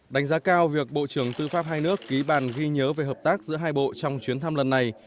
đánh giá cao việc bộ trưởng tư pháp hai nước ký bản ghi nhớ về hợp tác giữa hai bộ trong chuyến thăm lần này